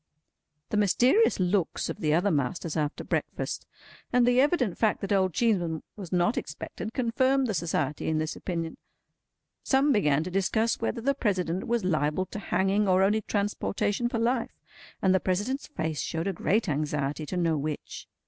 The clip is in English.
The mysterious looks of the other masters after breakfast, and the evident fact that old Cheeseman was not expected, confirmed the Society in this opinion. Some began to discuss whether the President was liable to hanging or only transportation for life, and the President's face showed a great anxiety to know which.